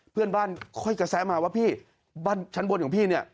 เพื่อนบ้านค่อยกระแสมาว่าพี่บ้านชั้นบนของพี่เนี่ย